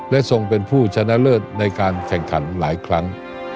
และทรงเป็นผู้ชนะเลิศในการแข่งขันหลายครั้ง